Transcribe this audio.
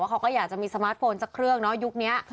เขาก็อยากจะมีสมาร์ทโฟนสักเครื่องเนาะยุคนี้